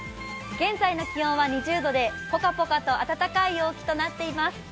現在の気温は２０度で、ポカポカと暖かい陽気となっています。